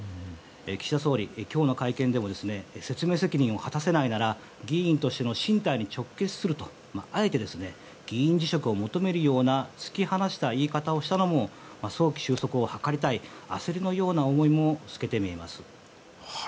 岸田総理、今日の会見でも説明責任を果たせないなら議員としての進退に直結するとあえて議員辞職を求めるような突き放したような言い方をしたのも早期収束を図りたい焦りのような思いも透けて見えます。